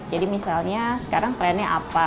jadi misalnya sekarang trendnya apa